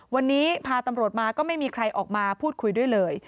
วันนี้พาตำรวจมาก็ไม่มีใครออกมาพูดคุยด้วยเลย